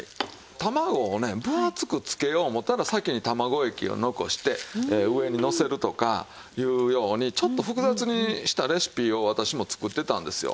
卵をね分厚くつけよう思ったら先に卵液を残して上にのせるとかいうようにちょっと複雑にしたレシピを私も作ってたんですよ。